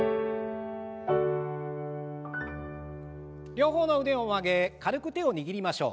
両方の腕を上げ軽く手を握りましょう。